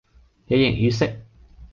喜形於色